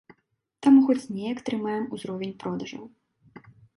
Таму хоць неяк трымаем узровень продажаў.